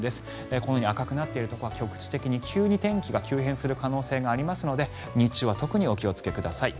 このように赤くなっているところは局地的に、急に天気が急変する可能性がありますので日中は特にお気をつけください。